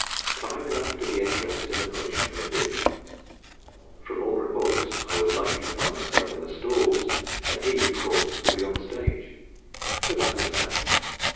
Time enough to be interested in the push when it did come; from all reports I was likely to find myself in the stalls, and he of course would be on the stage. So that was that.